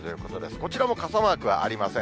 こちらも傘マークはありません。